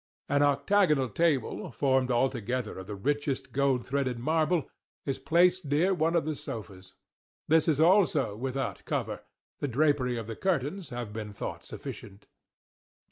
An octagonal table, formed altogether of the richest gold threaded marble, is placed near one of the sofas. This is also without cover—the drapery of the curtains has been thought sufficient.